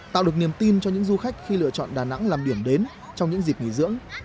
tạo được niềm tin cho những du khách khi lựa chọn đà nẵng làm điểm đến trong những dịp nghỉ dưỡng